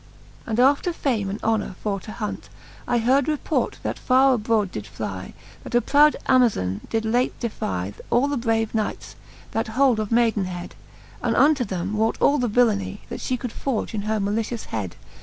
And after fame and honour for to hunt, I heard report, that farre abrode did Hy, That a proud Amazon did late defy All the brave knights, that hold of Maidenhead, And unto them wrought all the villany. That fhe could forge in her malicious head.